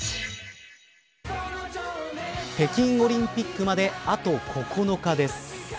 北京オリンピックまであと９日です。